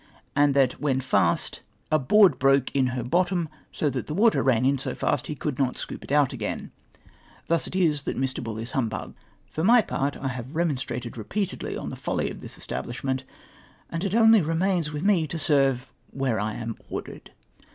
and that when fast, "a hoard broke in her bottom, so that the water ran in so fast, he could not scoop it out again ! Thus it is, that Mr. Bull is humbugged. For my part, I have remonstrated repeatedly on the folly of this establishment, and it only remains with me to serve where I am ordered.